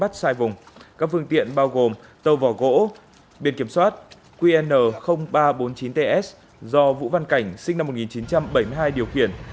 các phương tiện bao gồm tàu vỏ gỗ biển kiểm soát qn ba trăm bốn mươi chín ts do vũ văn cảnh sinh năm một nghìn chín trăm bảy mươi hai điều khiển